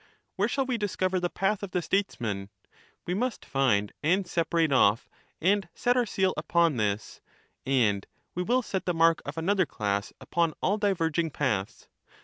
Where shall we discover the path of the Statesman ? We must find and separate off, and set our seal upon this, and we will set the mark of another class upon all diverging paths.